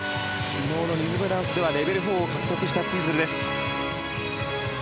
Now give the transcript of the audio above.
昨日のリズムダンスではレベル４を獲得したツイズルです。